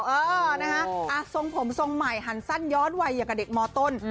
เออนะฮะทรงผมทรงใหม่หันสั้นย้อนวัยอย่างกับเด็กมต้น